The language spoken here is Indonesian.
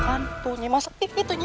aku mau menjadi vikto